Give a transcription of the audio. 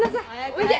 おいで！